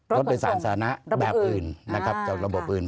รถโดยสารสานะแบบอื่นจากระบบอื่น